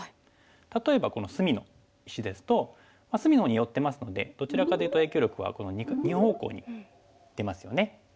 例えばこの隅の石ですと隅の方に寄ってますのでどちらかというと影響力はこの２方向に出ますよね。